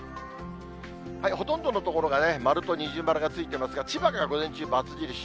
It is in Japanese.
ほとんどの所がね、丸と二重丸がついてますが、千葉が午前中、ばつ印。